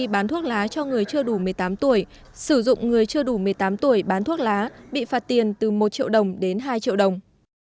bán thuốc lá cho người chưa đủ một mươi tám tuổi sử dụng người chưa đủ một mươi tám tuổi bán thuốc lá bị phạt tiền từ một triệu đồng đến hai triệu đồng